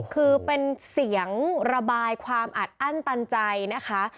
คือเป็นเสียงระบายความอัดอั้นตันใจนะคะ